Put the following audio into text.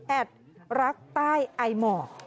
แอดรักใต้อายหมอก